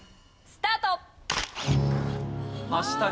スタート！